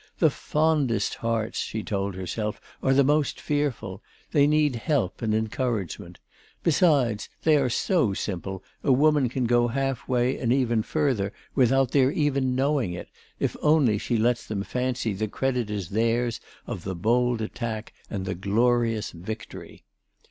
"The fondest hearts," she told herself, "are the most fearful; they need help and encouragement. Besides, they are so simple a woman can go half way and even further without their even knowing it, if only she lets them fancy the credit is theirs of the bold attack and the glorious victory."